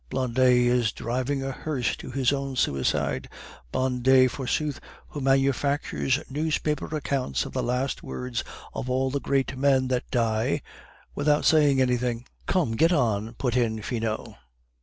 Blondet is driving a hearse to his own suicide; Blondet, forsooth! who manufactures newspaper accounts of the last words of all the great men that die without saying anything!" "Come, get on," put in Finot.